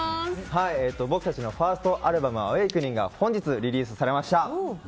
僕たちのファーストアルバム「Ａｗａｋｅｎｉｎｇ」が本日リリースされました。